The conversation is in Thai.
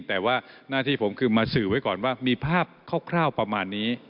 แต่ว่าหน้าที่ผมคือมาสื่อไว้ก่อนว่ามีภาพคร่าวประมาณนี้